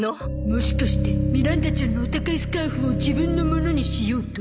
もしかしてミランダちゃんのお高いスカーフを自分のものにしようと？